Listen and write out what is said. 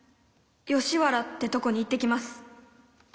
「よしわらってとこに行ってきます」。